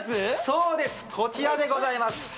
そうですこちらでございます